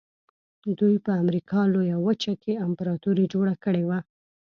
دوی په امریکا لویه وچه کې امپراتوري جوړه کړې وه.